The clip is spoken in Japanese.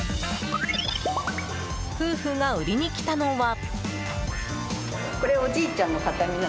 夫婦が売りに来たのは。